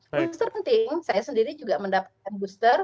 booster penting saya sendiri juga mendapatkan booster